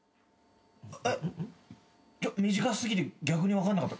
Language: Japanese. えっ短過ぎて逆に分かんなかった。